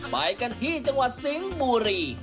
ไปกันที่จังหวัดสิงห์บุรี